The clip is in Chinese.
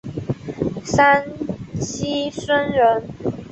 王沂孙人。